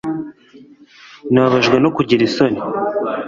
Nababajwe no kugira isoni